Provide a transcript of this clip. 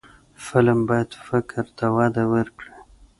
فلم باید فکر ته وده ورکړي